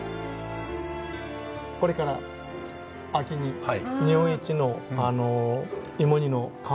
これから秋に日本一の芋煮の釜で。